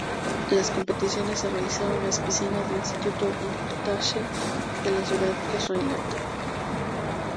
Las competiciones se realizaron en las piscinas del Instituto Wingate de la ciudad israelita.